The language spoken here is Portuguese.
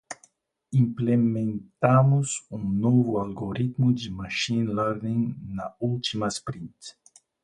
Implementamos um novo algoritmo de machine learning na última sprint.